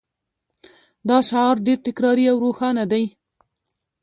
دا شعار ډیر تکراري او روښانه دی